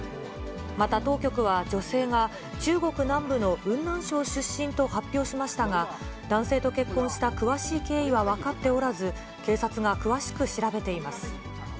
また当局は、女性が中国南部の雲南省出身と発表しましたが、男性と結婚した詳しい経緯は分かっておらず、警察が詳しく調べています。